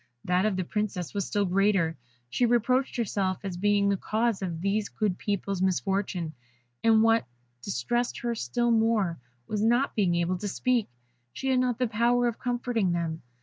That of the Princess was still greater, she reproached herself as being the cause of these good peoples' misfortune; and what distressed her still more was, not being able to speak, she had not the power of comforting them.